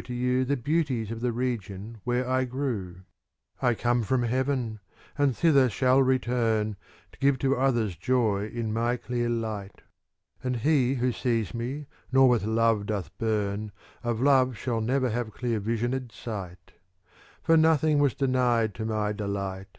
To assume, with Fraticelli, 98 CANZONIERE I come from Heaven, and thither shall return, To give to others joy in my clear light: ^ And he who sees me, nor with love doth burn, Of love shall never have clear visioned sight: For nothing was denied to my delight.